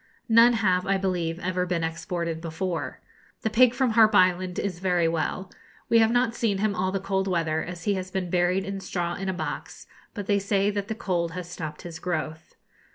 None have, I believe, ever been exported before. The pig from Harpe Island is very well. We have not seen him all the cold weather, as he has been buried in straw in a box, but they say that the cold has stopped his growth.